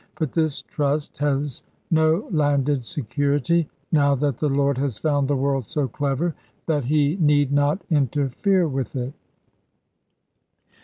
But this trust has no landed security, now that the Lord has found the world so clever, that He need not interfere with it.